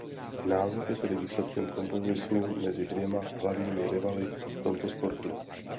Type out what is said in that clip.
Název je tedy výsledkem kompromisu mezi dvěma hlavními rivaly v tomto sportu.